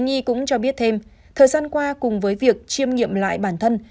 nhi cũng cho biết thêm thời gian qua cùng với việc chiêm nghiệm lại bản thân